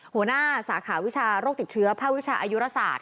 หัวหน้าสาขาวิชาโรคติดเชื้อภาควิชาอายุราศาสต